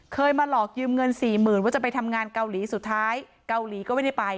มาหลอกยืมเงินสี่หมื่นว่าจะไปทำงานเกาหลีสุดท้ายเกาหลีก็ไม่ได้ไป